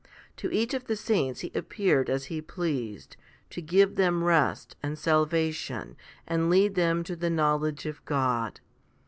To each of the saints He appeared as He pleased, to give them rest and salvation and lead them to the knowledge of God.